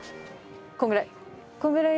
こんぐらい。